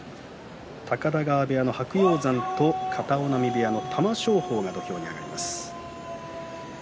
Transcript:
高田川部屋の白鷹山と片男波部屋の玉正鳳が土俵に上がります。